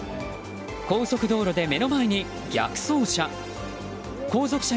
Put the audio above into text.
高速道路で目の前に逆走車。